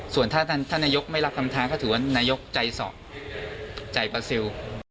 ส่วนถ้านายกไม่รับคำถามก็ถือว่านายกใจซอกใจประซิล